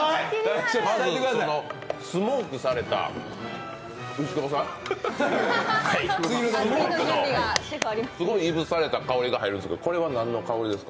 あのね、スモークされた、すごいいぶされた香りがするんですけどこれは何の香りですか？